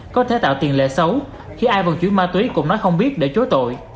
có thể tạo tiền lệ xấu khi ai vòng chuyến ma túy cũng nói không biết để chối tội